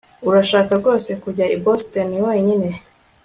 Urashaka rwose kujya i Boston wenyine